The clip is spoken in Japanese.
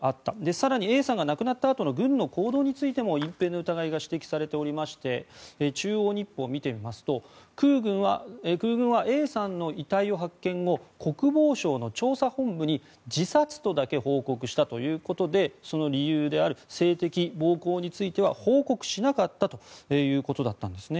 更に、Ａさんが亡くなったあとの軍の行動についても隠ぺいの疑いが指摘されていて中央日報を見てみると空軍はＡさんの遺体を発見後国防省の調査本部に自殺とだけ報告したということでその理由である性的暴行については報告しなかったということだったんです。